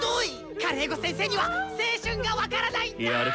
カルエゴ先生には青春が分からないんだ！